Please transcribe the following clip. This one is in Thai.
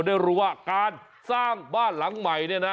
ได้รู้ว่าการสร้างบ้านหลังใหม่